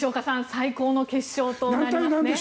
最高の決勝となりますね。